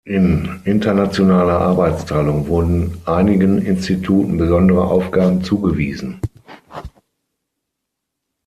In internationaler Arbeitsteilung wurden einigen Instituten besondere Aufgaben zugewiesen.